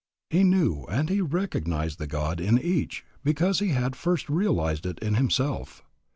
He knew and he recognized the God in each because he had first realized it in himself.